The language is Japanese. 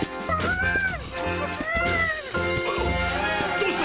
どうした！？